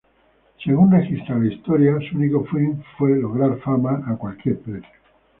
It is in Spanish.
Según registra la historia, su único fin fue lograr fama a cualquier precio.